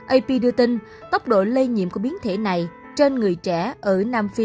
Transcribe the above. ap đưa tin tốc độ lây nhiễm của biến thể này trên người trẻ ở nam phi